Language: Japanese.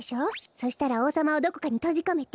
そしたらおうさまをどこかにとじこめて。